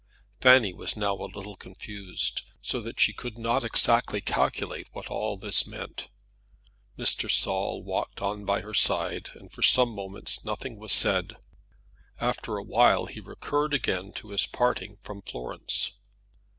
Fanny was now a little confused, so that she could not exactly calculate what all this meant. Mr. Saul walked on by her side, and for some moments nothing was said. After a while he recurred again to his parting from Florence.